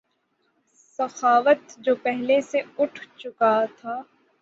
سخاوت جو پہلے سے اٹھ چکا تھا